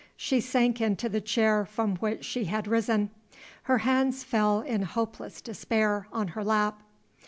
She sank into the chair from which she had risen; her hands fell in hopeless despair on her lap.